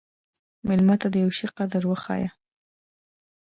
مېلمه ته د یوه شي قدر وښیه.